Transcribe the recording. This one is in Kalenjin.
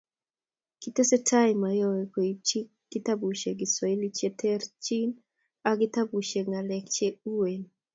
Kitestai mayowe koibchi kitabusiekab kiswahili cheterchin ak kitabutab ngalek che uen